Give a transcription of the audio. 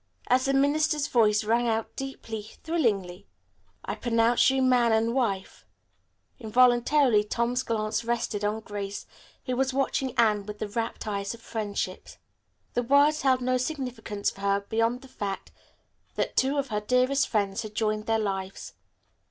As the minister's voice rang out deeply, thrillingly, "I pronounce you man and wife," involuntarily Tom's glance rested on Grace, who was watching Anne with the rapt eyes of friendship. The words held no significance for her beyond the fact that two of her dearest friends had joined their lives.